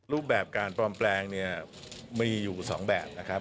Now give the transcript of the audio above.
รูปแบบการปลอมแปลงเนี่ยมีอยู่๒แบบนะครับ